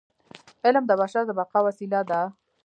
علم د بشر د بقاء وسیله ده.